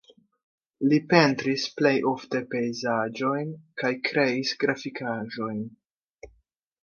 Li pentris plej ofte pejzaĝojn kaj kreis grafikaĵojn.